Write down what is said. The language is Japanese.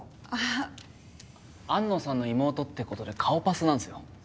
あっ安野さんの妹ってことで顔パスなんですよ